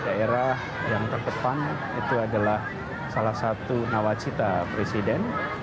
daerah yang terdepan itu adalah salah satu nawacita presiden